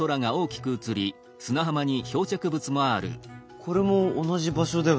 これも同じ場所だよね？